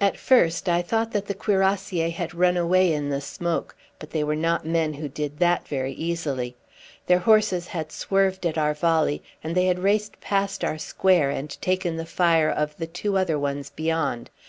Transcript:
At first I thought that the cuirassiers had run away in the smoke; but they were not men who did that very easily. Their horses had swerved at our volley, and they had raced past our square and taken the fire of the two other ones beyond.